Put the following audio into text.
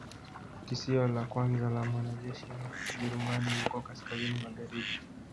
Kisio la kwanza la mwanajeshi wa Kijerumani huko kaskazini magharibi